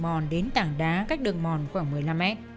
mòn đến tảng đá cách đường mòn khoảng một mươi năm mét